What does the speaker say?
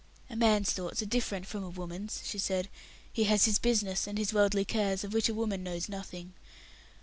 "A man's thoughts are different from a woman's," she said; "he has his business and his worldly cares, of which a woman knows nothing.